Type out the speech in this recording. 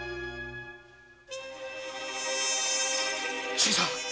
新さん。